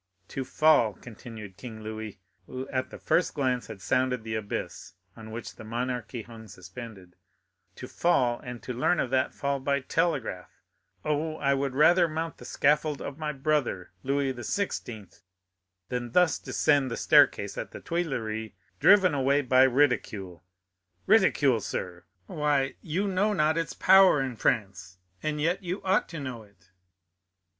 "To fall," continued King Louis, who at the first glance had sounded the abyss on which the monarchy hung suspended,—"to fall, and learn of that fall by telegraph! Oh, I would rather mount the scaffold of my brother, Louis XVI., than thus descend the staircase at the Tuileries driven away by ridicule. Ridicule, sir—why, you know not its power in France, and yet you ought to know it!"